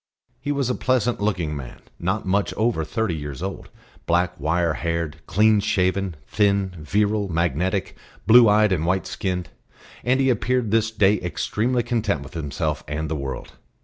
He was a pleasant looking man, not much over thirty years old; black wire haired, clean shaven, thin, virile, magnetic, blue eyed and white skinned; and he appeared this day extremely content with himself and the world.